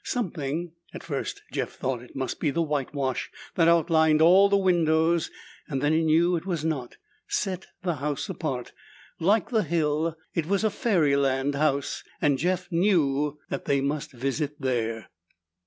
Something at first Jeff thought it must be the whitewash that outlined all the windows and then he knew it was not set the house apart. Like the hill, it was a fairyland house and Jeff knew that they must visit there.